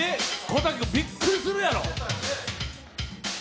小瀧君、びっくりするやろ？